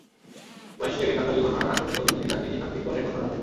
ওয়েরস্টেডের কাকতালীয় ঘটনার আগ পর্যন্ত বিজ্ঞানীরা তিনটি প্রাকৃতিক বলের কথা জানতেন।